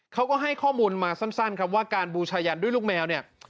เขาก็ให้ข้อมูลมาสั้นครับว่าการบูชายันด้วยลูกแมวเนี่ย